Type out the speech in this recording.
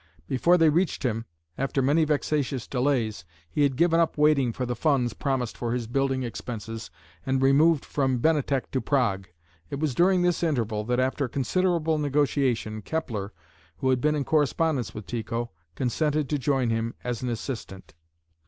Before they reached him, after many vexatious delays, he had given up waiting for the funds promised for his building expenses, and removed from Benatek to Prague. It was during this interval that after considerable negotiation, Kepler, who had been in correspondence with Tycho, consented to join him as an assistant.